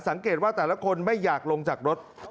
สังเกตว่าแต่ละคนไม่อยากลงจากรถ